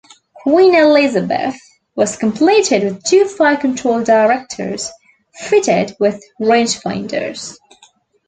"Queen Elizabeth" was completed with two fire-control directors fitted with rangefinders.